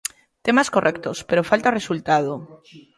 Temas correctos, pero falta o resultado.